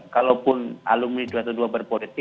kalaupun alumni dua ratus dua belas berpolitik